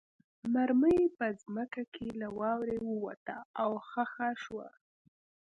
مرمۍ په ځمکه کې له واورې ووته او خښه شوه